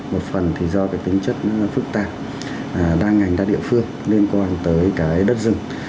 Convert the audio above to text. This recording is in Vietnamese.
một phần thì do cái tính chất phức tạp đa ngành đa địa phương liên quan tới cái đất rừng